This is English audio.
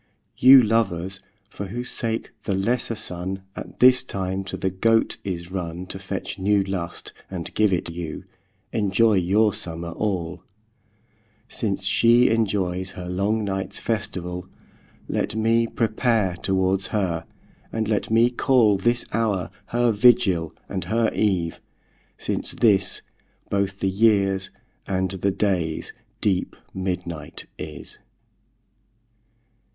You lovers, for whose sake, the lesser Sunne At this time to the Goat is runne To fetch new lust, and give it you, Enjoy your summer all; Since shee enjoyes her long nights festivall, Let mee prepare towards her, and let mee call This houre her Vigill, and her Eve, since this Bothe the yeares, and the dayes deep midnight is.